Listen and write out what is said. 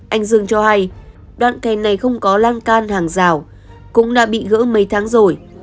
anh dương cho hay đoạn kè này không có lan can hàng rào cũng đã bị gỡ mấy tháng rồi